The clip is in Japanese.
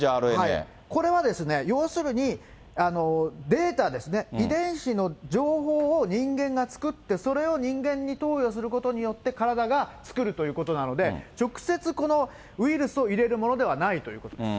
これは要するに、データですね、遺伝子の情報を人間が作って、それを人間に投与することによって、体が作るということなので、直接このウイルスを入れるものではないということです。